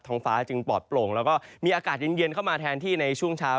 งฟ้าจึงปลอดโปร่งแล้วก็มีอากาศเย็นเข้ามาแทนที่ในช่วงเช้า